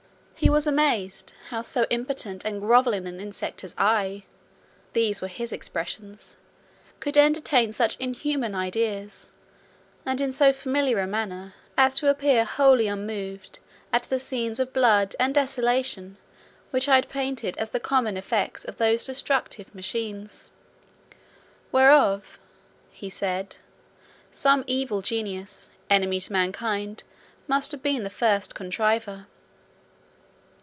"He was amazed, how so impotent and grovelling an insect as I" (these were his expressions) "could entertain such inhuman ideas, and in so familiar a manner, as to appear wholly unmoved at all the scenes of blood and desolation which I had painted as the common effects of those destructive machines; whereof," he said, "some evil genius, enemy to mankind, must have been the first contriver.